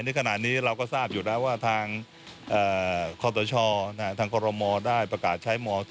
ในขณะนี้เราก็ทราบอยู่แล้วว่าทางคอตชทางกรมได้ประกาศใช้ม๒